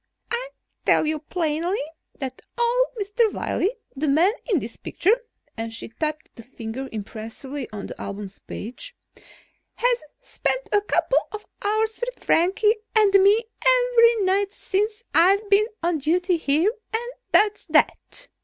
I tell you plainly that old Mr. Wiley, the man in this picture," and she tapped her finger impressively on the album page, "has spent a couple of hours with Frankie and me every night since I've been on duty here, and that's that!"